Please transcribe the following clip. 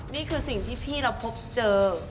นี่คือสิ่งที่พี่เราพบเจอ